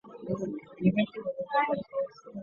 克莱埃布尔。